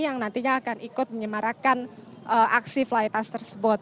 yang nantinya akan ikut menyemarakan aksi fly tas tersebut